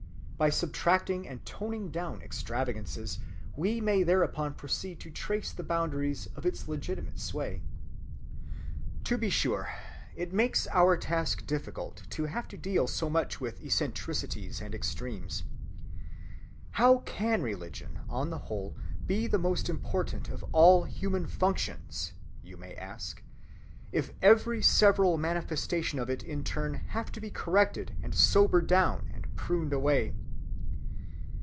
By subtracting and toning down extravagances we may thereupon proceed to trace the boundaries of its legitimate sway. To be sure, it makes our task difficult to have to deal so much with eccentricities and extremes. "How can religion on the whole be the most important of all human functions," you may ask, "if every several manifestation of it in turn have to be corrected and sobered down and pruned away?"